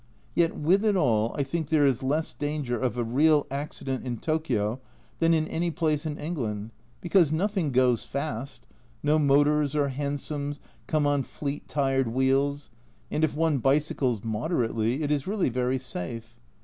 Yet with it all I think there is less danger of a real accident in Tokio than in any place in A Journal from Japan 165 England, because nothing goes fast, no motors or hansoms come on fleet tyred wheels, and if one bicycles moderately it is really very safe.